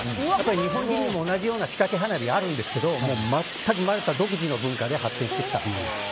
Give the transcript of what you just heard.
日本にも同じような仕掛け花火があるんですけど全くマルタ独自の文化で発展してきたんです。